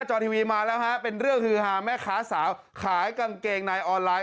จอทีวีมาแล้วฮะเป็นเรื่องฮือฮาแม่ค้าสาวขายกางเกงในออนไลน์